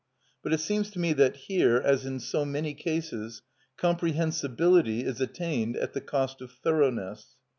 But it seems to me that here, as in so many cases, comprehensibility is attained at the cost of thoroughness.